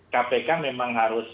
kpk memang harus